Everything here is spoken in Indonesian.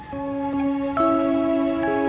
jelas deh kan